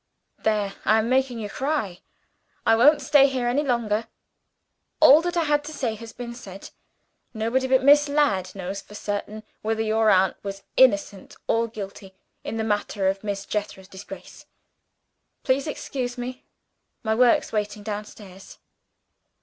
There! I'm making you cry; I won't stay here any longer. All that I had to say has been said. Nobody but Miss Ladd knows for certain whether your aunt was innocent or guilty in the matter of Miss Jethro's disgrace. Please to excuse me; my work's waiting downstairs."